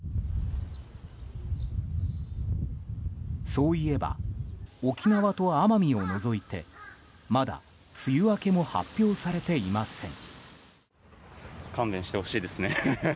そういえば沖縄と奄美を除いてまだ梅雨明けも発表されていません。